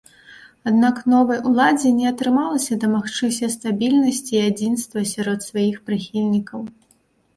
Аднак новай уладзе не атрымалася дамагчыся стабільнасці і адзінства сярод сваіх прыхільнікаў.